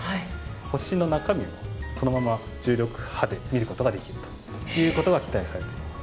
星の中身をそのまま重力波で見ることができるということが期待されています。